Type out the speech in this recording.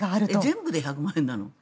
全部で１００万円なの？